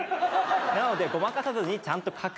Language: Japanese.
なのでごまかさずにちゃんと書く。